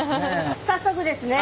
早速ですね